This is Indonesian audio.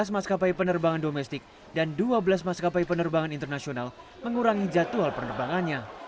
tujuh belas maskapai penerbangan domestik dan dua belas maskapai penerbangan internasional mengurangi jadwal penerbangannya